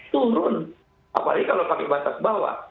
turun apalagi kalau pakai batas bawah